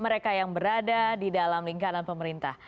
mereka yang berada di dalam lingkaran pemerintah